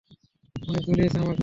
অনেক জ্বলিয়েছ আমাকে।